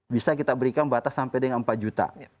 bisa kita berikan batas sampai dengan empat juta